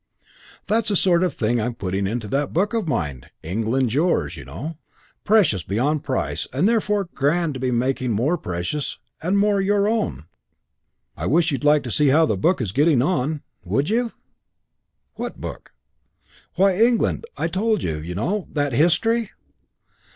"That's the sort of thing I'm putting into that book of mine. 'England's yours', you know. Precious beyond price; and therefore grand to be making more precious and more your own. I wish you'd like to see how the book's getting on; would you?" "What book?" "Why 'England.' I told you, you know. That history."